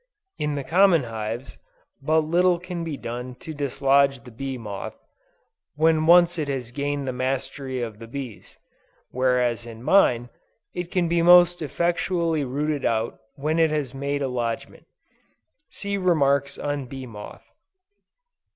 In the common hives, but little can be done to dislodge the bee moth, when once it has gained the mastery of the bees; whereas in mine, it can be most effectually rooted out when it has made a lodgment. (See Remarks on Bee Moth.)